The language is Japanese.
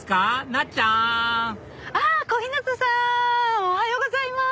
なっちゃん！あっ小日向さん！おはようございます。